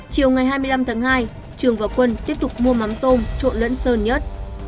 chiều ngày hai mươi năm tháng hai trường và quân tiếp tục mua mắm tôm trộn lẫn sơn nhất